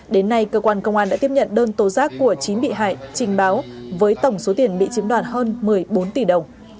đến nay cơ quan công an đã tiếp nhận đơn tố giác của chín bị hại trình báo với tổng số tiền bị chiếm đoạt hơn một mươi bốn tỷ đồng